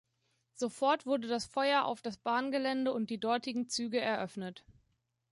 Sofort wurde das Feuer auf das Bahngelände und die dortigen Züge eröffnet.